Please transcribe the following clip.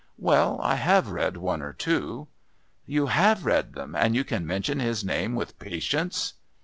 "Well, I have read one or two!" "You have read them and you can mention his name with patience?"